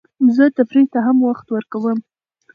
زه تفریح ته هم وخت ورکوم.